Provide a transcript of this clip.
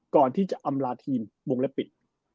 ก่อนที่จะอำราธินเหมืองแล้วปิด